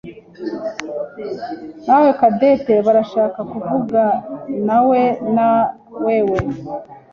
nawe Cadette barashaka kuvuganawe nawewe.